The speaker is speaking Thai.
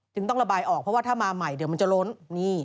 ต้องระบายออกเพราะว่าถ้ามาใหม่เดี๋ยวมันจะล้น